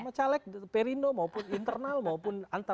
sama caleg perindo maupun internal maupun antar